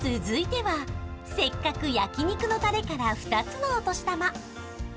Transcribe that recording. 続いてはせっかく焼肉のタレから２つのお年玉